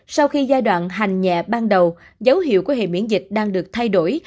sau khi giai đoạn hành nhẹ ban đầu dấu hiệu của hệ miễn dịch đang được thay đổi